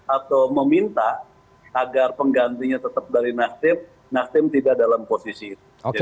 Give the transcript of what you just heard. atau meminta agar penggantinya tetap dari nasdem nasdem tidak dalam posisi itu